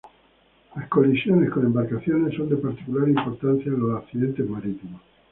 Las colisiones con embarcaciones son de particular importancia en los accidentes marítimos.